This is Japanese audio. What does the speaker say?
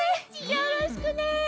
よろしくね！